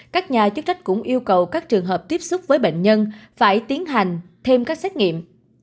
các nhà chức trách cũng yêu cầu các trường hợp tiếp xúc với bệnh nhân phải tiến hành thêm các xét nghiệm